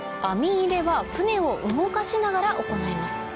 網入れは船を動かしながら行います